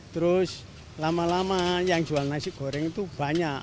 terus lama lama yang jual nasi goreng itu banyak